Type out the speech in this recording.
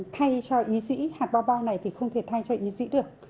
thay cho y dĩ hạt bo bo này thì không thể thay cho y dĩ được